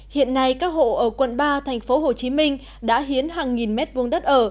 hiện nay các hộ ở quận ba thành phố hồ chí minh đã hiến hàng nghìn mét vuông đất ở